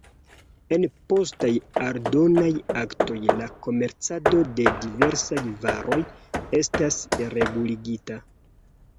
En postaj aldonaj aktoj la komercado de diversaj varoj estas reguligita.